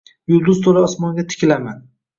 Yulduz to‘la osmonga tikilaman.